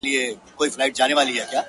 له مستیه مي غزل څومره سرشار دی,